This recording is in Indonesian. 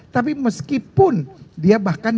tapi meskipun dia bahkan